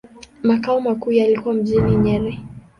Makao makuu yalikuwa mjini Nyeri.